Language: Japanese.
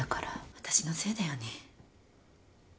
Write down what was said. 私のせいだよね。